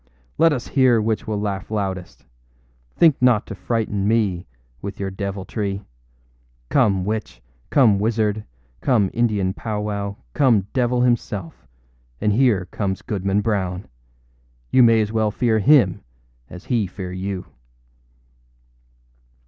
âLet us hear which will laugh loudest. Think not to frighten me with your deviltry. Come witch, come wizard, come Indian powwow, come devil himself, and here comes Goodman Brown. You may as well fear him as he fear you.